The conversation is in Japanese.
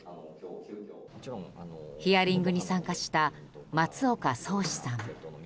ヒアリングに参加した松岡宗嗣さん。